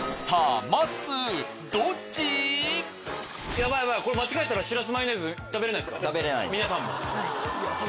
ヤバいヤバいこれ間違えたらしらすマヨネーズ食べられないんですか？